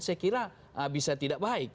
saya kira bisa tidak baik